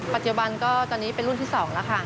ปัจจุบันก็ตอนนี้เป็นรุ่นที่๒แล้วค่ะ